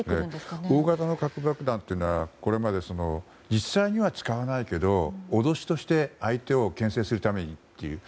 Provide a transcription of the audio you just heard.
大型の核爆弾はこれまで実際には使わないけど脅しとして相手を牽制するためにという。